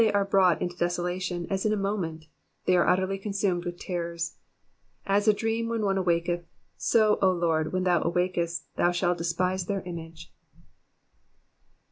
19 How are they brought into desolation, as in a moment I they are utterly consumed with terrors. 20 As a dream when 07ie awaketh ; so, O Lord, when thou awakesty thou shalt despise their image.